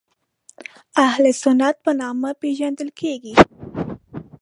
اهل سنت په نامه پېژندل کېږي.